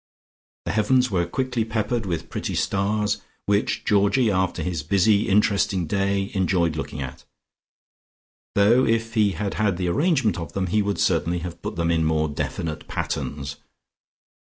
The heavens were quickly peppered with pretty stars, which Georgie after his busy interesting day enjoyed looking at, though if he had had the arrangement of them, he would certainly have put them into more definite patterns.